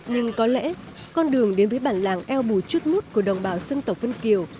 nhưng có lẽ con đường đến với bản làng eo bù chút mút của đồng bào dân tộc vân kiều